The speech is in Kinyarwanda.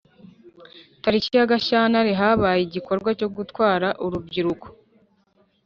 Tariki ya gashyantare habaye igikorwa cyo gutwara urubyiruko